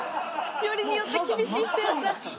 よりによって厳しい人やった。